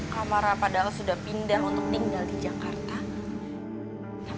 kak marah padahal sudah pindah untuk tinggal di jakarta